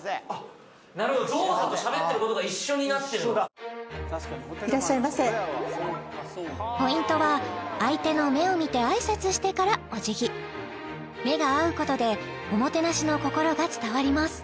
なるほどいらっしゃいませポイントは相手の目を見て挨拶してからお辞儀目が合うことでおもてなしの心が伝わります